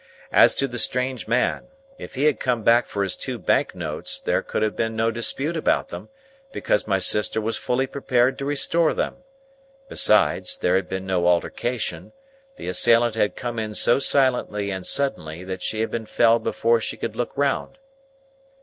As to the strange man; if he had come back for his two bank notes there could have been no dispute about them, because my sister was fully prepared to restore them. Besides, there had been no altercation; the assailant had come in so silently and suddenly, that she had been felled before she could look round.